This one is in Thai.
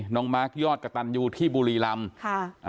น้องมาร์คยอดกระตันอยู่ที่บุรีลำ